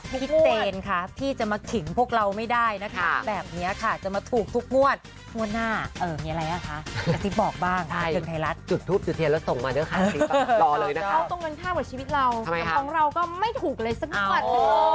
พี่เตรนค่ะที่จะมาขิงพวกเราไม่ได้นะคะแบบเนี้ยค่ะจะมาถูกทุกงวดงวดหน้าเอ่อมีอะไรอ่ะคะอาทิตย์บอกบ้างค่ะเกินไทยรัฐจุดทูปจุดเทียนแล้วส่งมาเนอะค่ะอาทิตย์รอเลยนะคะเอาตรงกันข้างกับชีวิตเราทำไมค่ะตรงเราก็ไม่ถูกเลยสักครั้งอ๋อ